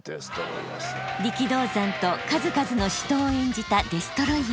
力道山と数々の死闘を演じたデストロイヤー。